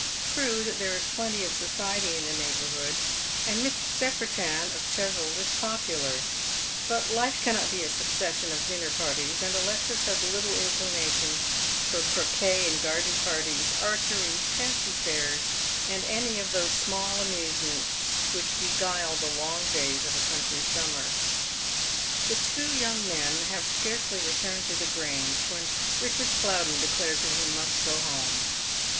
Tiue that there is plenty of society in the neighbourhood, and Mr. Secretan, of Cheswold, is popular; but life cannot be a suc cession of dinner parties, and Alexis has little inclination for croquet and garden parties, archery, fancy fairs, and any of those Buiall amusements which beguile the long days of a country Bunmier. The two young men have scarcely returned to tiie Grange when iiichard Plowden declares that he must go home.